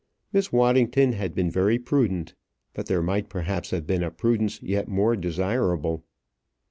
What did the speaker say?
Miss Waddington had been very prudent; but there might perhaps have been a prudence yet more desirable.